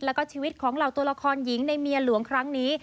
แล้วก็ชีวิตของเหล่าตัวละครหญิงในเมียหลวงครั้งนี้